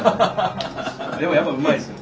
でもやっぱうまいですよ。